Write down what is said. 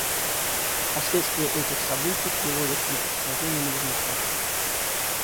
Последствия этих событий приводят к непредсказуемым результатам.